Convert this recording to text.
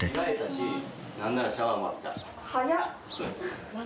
何ならシャワーも浴びた。